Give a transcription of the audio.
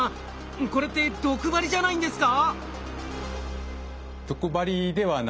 これって毒針じゃないんですか？